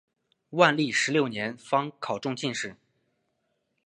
万历十六年方考中进士。